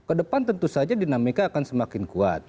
ke depan tentu saja dinamika akan semakin kuat